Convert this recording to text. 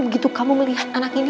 begitu kamu melihat anak ini